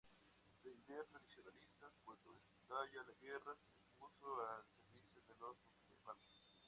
De ideas tradicionalistas cuando estalla la guerra, se puso al servicio de los sublevados.